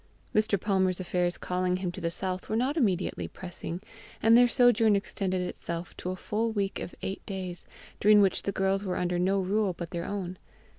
Mr. Palmer's affairs calling him to the south were not immediately pressing, and their sojourn extended itself to a full week of eight days, during which the girls were under no rule but their own.